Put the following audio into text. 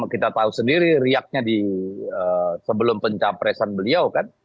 kita tahu sendiri riaknya sebelum pencapresan beliau kan